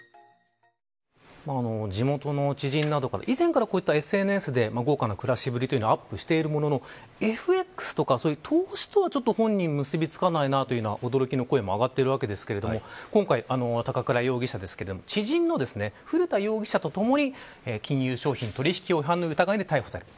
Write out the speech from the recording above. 地元の知人などから以前からＳＮＳで豪華な暮らしぶりをアップしているもののＦＸとか、そういう投資とは本人、ちょっと結びつかないなという驚きの声も上がっているわけですが、今回高倉容疑者の知人の古田容疑者とともに金融商品取引法違反の疑いで逮捕された。